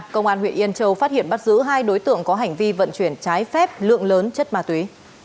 công an huyện yên châu phát hiện bắt giữ hai đối tượng có hành vi vận chuyển trái phép lượng lớn chất ma túy